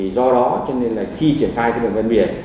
do đó cho nên là khi triển khai công trình bên biển